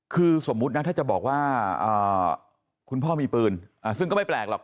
คือสมมุตินะถ้าจะบอกว่าคุณพ่อมีปืนซึ่งก็ไม่แปลกหรอก